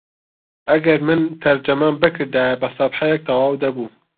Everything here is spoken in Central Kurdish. ئەگەر من تەرجەمەم بکردایە بە سەفحەیەک تەواو دەبوو